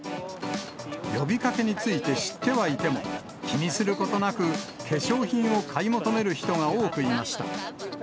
呼びかけについて知ってはいても、気にすることなく、化粧品を買い求める人が多くいました。